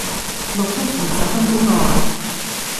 錄足二十分鐘咯